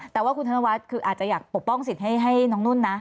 แต่ว่าคุณธนวัฒน์คืออาจจะอยากปกป้องสิทธิ์ให้น้องนุ่นนะ